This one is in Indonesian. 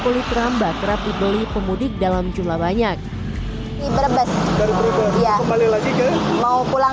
kulit ramba kerap dibeli pemudik dalam jumlah banyak merebas baru kembali lagi ke mau pulang